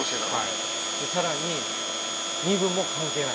はいさらに身分も関係ない。